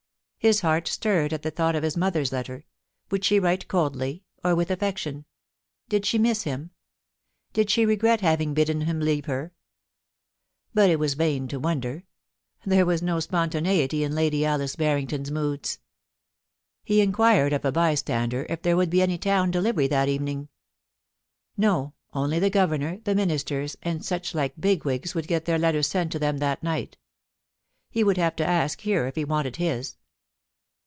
His heart stirred at the thought of his mother's letter — would she write coldly, or with affection ? Did she miss him ? Did she regret having bidden him leave her ? But it was vain to wonder. There was no spontaneity in Lady Alice Barrington's moods. He inquired of a bystander if there would be any town delivery that evening. No, only the Governor, the Ministers, and such like big wigs would get their letters sent to them that night He would have to ask here if he wanted his.